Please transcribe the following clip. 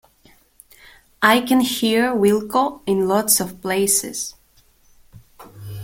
I can hear Wilko in lots of places.